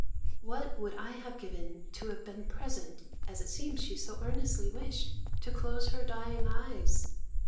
What would I have given to have been present, as it seems, she so earnestly wished, to close her dying eyes!